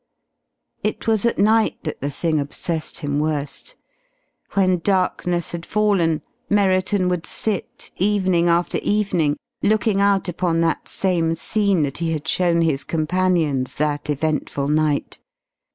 It was at night that the thing obsessed him worst. When darkness had fallen Merriton would sit, evening after evening, looking out upon that same scene that he had shown his companions that eventful night.